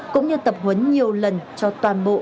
cũng như tập huấn nhiều lần cho toàn bộ